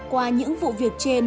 qua những vụ việc trên